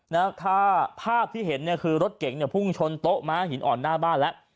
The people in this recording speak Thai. นะฮะถ้าภาพที่เห็นเนี่ยคือรถเก่งเนี่ยพุ่งชนโต๊ะม้าหินอ่อนหน้าบ้านแล้ว